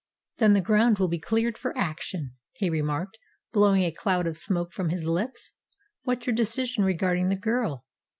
Then the ground will be cleared for action," he remarked, blowing a cloud of smoke from his lips. "What's your decision regarding the girl?"